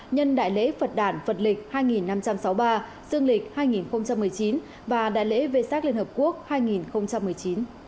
nhân đại lễ phật đàn phật lịch hai năm trăm sáu mươi ba dương lịch hai nghìn một mươi chín và đại lễ vê sát liên hợp quốc hai nghìn một mươi chín